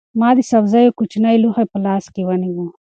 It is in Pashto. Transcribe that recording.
ما د سبزیو کوچنی لوښی په لاس کې ونیو.